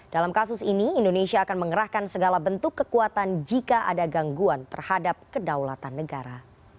dalam kasus ini indonesia akan mengerahkan segala bentuk kekuatan jika ada gangguan terhadap kedaulatan negara